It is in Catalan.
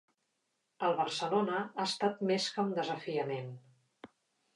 El Barcelona ha estat més que un desafiament.